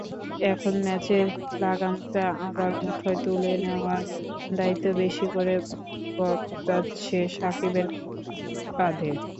এখন ম্যাচের লাগামটা আবার মুঠোয় তুলে নেওয়ার দায়িত্ব বেশি করে বর্তাচ্ছে সাকিবের কাঁধে।